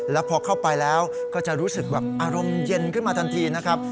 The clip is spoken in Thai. แล้วพอเข้าไปแล้วก็จะรู้สึกแบบอารมณ์เย็นขึ้นมาทันทีนะครับ